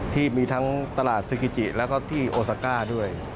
ที่มีทั้งตลาดซึกิจิแล้วก็ที่โอซาก้าด้วย